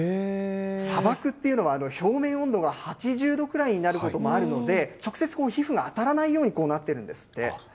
砂漠っていうのは、表面温度が８０度ぐらいになることもあるので、直接皮膚が当たらないようになっそうですか。